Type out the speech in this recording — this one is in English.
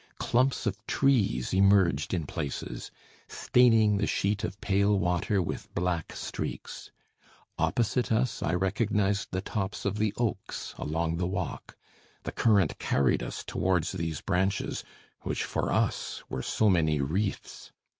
Clumps of trees emerged in places, staining the sheet of pale water with black streaks. Opposite us I recognised the tops of the oaks along the walk; the current carried us towards these branches, which for us were so many reefs.